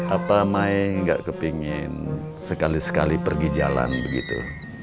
apa mai nggak kepingin sekali sekali pergi jalan begitu